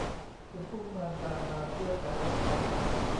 จึงอุ้มมารดามาเพื่อจะรักษา